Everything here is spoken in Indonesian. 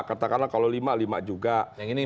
katakanlah kalau lima lima juga yang ini